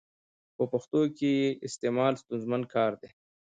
په پښتو کي د ي استعمال ستونزمن کار دی.